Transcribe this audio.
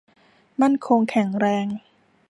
มั่นคงแข็งแรง